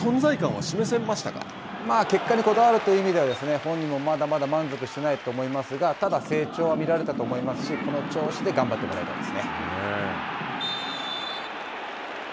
でまあ、結果にこだわるという意味では、本人もまだまだ満足してないと思いますが、ただ、成長は見られたと思いますし、この調子で頑張ってもらいたいですね。